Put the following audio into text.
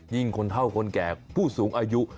คนเท่าคนแก่ผู้สูงอายุ